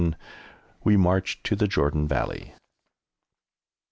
WE MARCH TO THE JORDAN VALLEY.